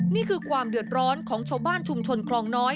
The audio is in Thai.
นี่คือความเดือดร้อนของชาวบ้านชุมชนคลองน้อย